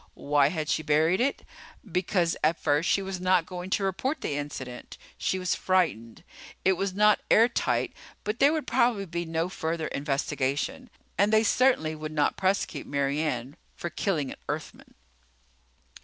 Why had she buried it? Because at first she was not going to report the incident. She was frightened. It was not airtight, but there would probably be no further investigation. And they certainly would not prosecute Mary Ann for killing an Earthman.